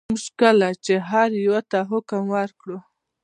موږ کله چې هر یوه ته حکم وکړو.